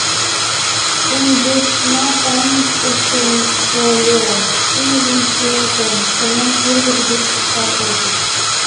Шеҥгечна тайнышт ошкылшо Лео, шӱйжым шуялтен, Соням тӱрвыж гыч шупшал колтыш.